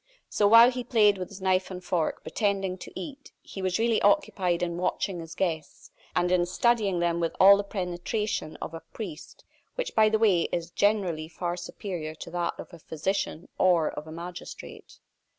So while he played with his knife and fork, pretending to eat, he was really occupied in watching his guests, and in studying them with all the penetration of a priest, which, by the way, is generally far superior to that of a physician or of a magistrate.